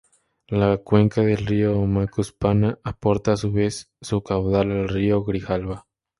La cuenca del río Macuspana, aporta a su vez su caudal al río Grijalva.